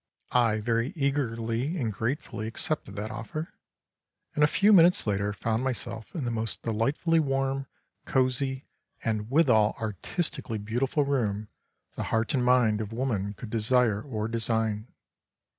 I very eagerly and gratefully accepted that offer, and a few minutes later found myself in the most delightfully warm, cosy, and withal artistically beautiful room the heart and mind of woman could desire or design.